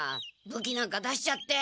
武器なんか出しちゃって。